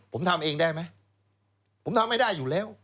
ผมทำเองได้ไหมผมทำไม่ได้อยู่แล้ว